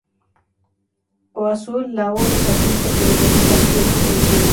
O azul: La O es azul porque representa el cielo, el infinito.